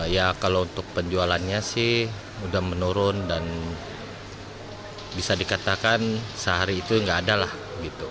ya kalau untuk penjualannya sih udah menurun dan bisa dikatakan sehari itu nggak ada lah gitu